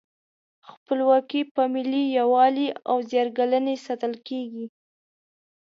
خپلواکي په ملي یووالي او زیار ګالنې ساتل کیږي.